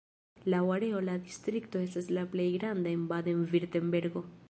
Laŭ areo la distrikto estas la plej granda en Baden-Virtembergo.